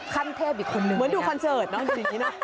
ขั้นเทพอีกคนนึงเหมือนดูคอนเสิร์ตเนอะดูอย่างนี้นะ